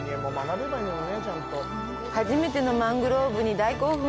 初めてのマングローブに大興奮。